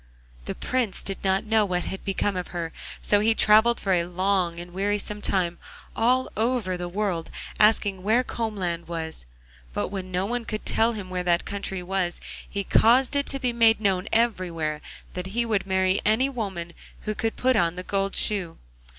The Prince did not know what had become of her, so he travelled for a long and wearisome time all over the world, asking where Combland was; but when no one could tell him where that country was, he caused it to be made known everywhere that he would marry any woman who could put on the gold shoe.